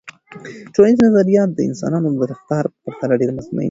ټولنیز نظریات د انسانانو د رفتار په پرتله ډیر مطمئن وي.